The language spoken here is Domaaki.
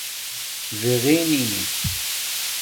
ژِگِنی